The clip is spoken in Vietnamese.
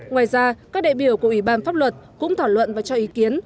ngoài ra các đại biểu của ủy ban pháp luật cũng thảo luận và cho ý kiến